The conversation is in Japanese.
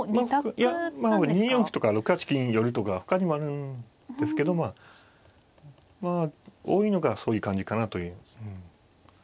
いやまあ２四歩とか６八金寄とか他にもあるんですけどまあ多いのがそういう感じかなという。